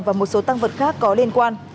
và một số tăng vật khác có liên quan